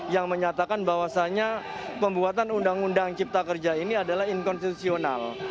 yang menyatakan bahwasannya pembuatan undang undang cipta kerja ini adalah inkonstitusional